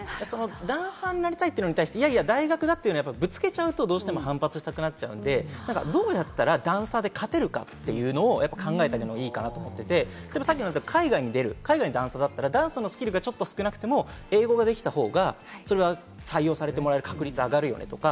ダンサーになりたいというのに対して大学だってぶつけちゃうと反発したくなっちゃうので、どうやったらダンサーで勝てるかというのを考えてあげるのがいいかなと思っていて、海外に出る、海外のダンサーだったらダンスのスキルが少なくても英語ができた方が採用されてもらえる確率上がるよねとか。